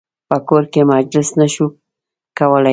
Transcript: په کور کې مجلس نه شو کولای.